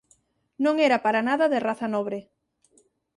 Non era para nada de raza nobre.